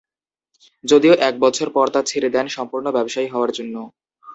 যদিও একবছর পর তা ছেড়ে দেন সম্পূর্ণ ব্যবসায়ী হওয়ার জন্য।